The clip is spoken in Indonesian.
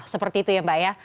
seperti itu ya mbak ya